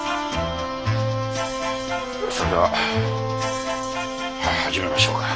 それでは始めましょうか。